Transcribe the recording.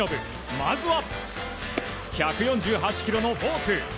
まずは１４８キロのフォーク。